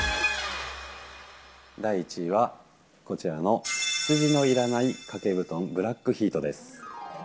第１位は、こちらのヒツジのいらないかけ布団ブラック・ヒートです。